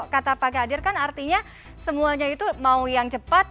kata pak kadir kan artinya semuanya itu mau yang cepat